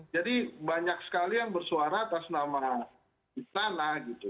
jadi banyak sekali yang bersuara atas nama istana